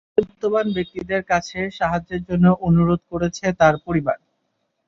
তাই দেশের বিত্তবান ব্যক্তিদের কাছে সাহায্যের জন্য অনুরোধ করেছে তাঁর পরিবার।